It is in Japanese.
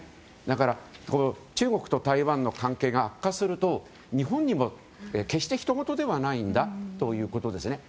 だから、中国と台湾の関係が悪化すると日本も決して人ごとではないということですね。